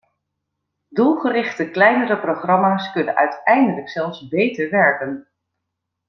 Doelgerichte kleinere programma's kunnen uiteindelijk zelfs beter werken.